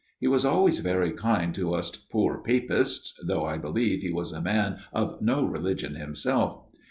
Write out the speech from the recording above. He was always very kind to us poor Papists, though I believe he was a man of no religion himself.